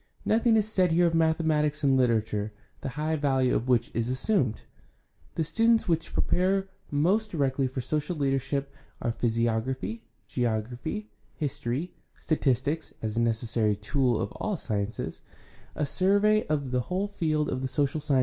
Nothing is said here of mathematics and literature, the high value of which is assumed. The studies which pre pare most directly for social leadership are physiography, geography, history, statistics (as a necessary tool of all the sciences), a survey of the whole field of the social sciences.